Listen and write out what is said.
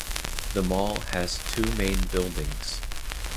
The mall has two main buildings.